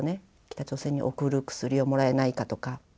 北朝鮮に送る薬をもらえないかとか。